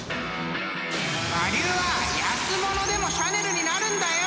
［我流は安物でもシャネルになるんだよ！］